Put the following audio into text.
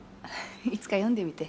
いつか読んでみて。